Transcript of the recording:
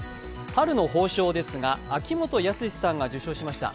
春の褒章ですが、秋元康さんが受章しました。